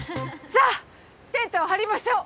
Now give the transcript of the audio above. さあテントを張りましょう！